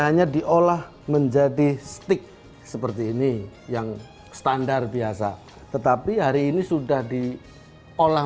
hanya diolah menjadi stick seperti ini yang standar biasa tetapi hari ini sudah diolah